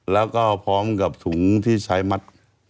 แล้วก็พร้อมกับถุงที่ใช้มัด